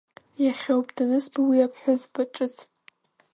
Иахьоуп, данызба уи аԥҳәызба, ҿыц…